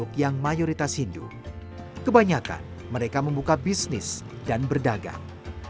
banyak banyak mereka membuka bisnis dan berdagang